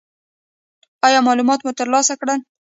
ایا معلومات مو ترلاسه کړل؟